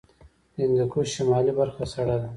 د هندوکش شمالي برخه سړه ده